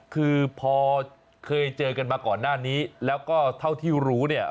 คือพอเคยเจอกันมาก่อนหน้านี้แล้วก็เท่าที่รู้เนี่ย